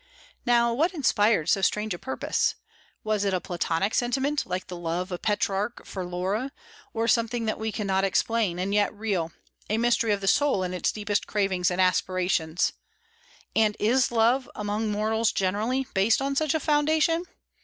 Now what inspired so strange a purpose? Was it a Platonic sentiment, like the love of Petrarch for Laura, or something that we cannot explain, and yet real, a mystery of the soul in its deepest cravings and aspirations? And is love, among mortals generally, based on such a foundation?